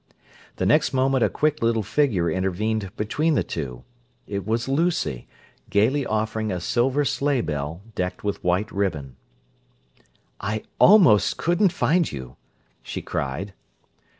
The next moment a quick little figure intervened between the two. It was Lucy, gaily offering a silver sleighbell decked with white ribbon. "I almost couldn't find you!" she cried.